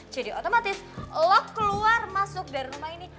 jadi otomatis lo keluar masuk dari rumah ini